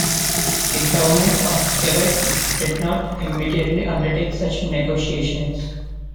The government of Quebec did not immediately undertake such negotiations.